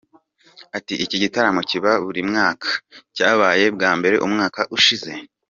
Ati “Iki gitaramo kiba buri mwaka, cyabaye bwa mbere umwaka ushize.